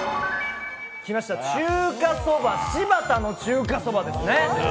きました、中華そば、しば田の中華そばですね。